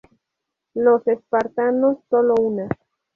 Los espartanos sólo una.